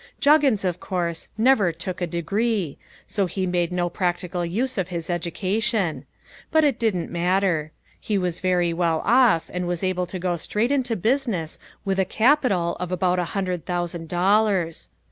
Juggins, of course, never took a degree, so he made no practical use of his education. But it didn't matter. He was very well off and was able to go straight into business with a capital of about a hundred thousand dollars.